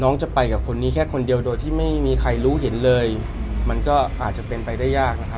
น้องจะไปกับนี่แค่คนเดียวไม่มีใครรู้เห็นเลยมันก็อาจจะเป็นไปได้ยาก